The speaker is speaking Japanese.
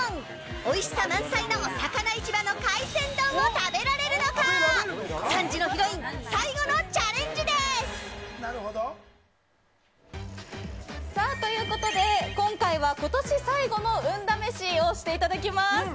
おさかな市場の海鮮丼を食べられるのか３時のヒロイン最後のチャレンジです。ということで今回は今年最後の運試しをしていただきます。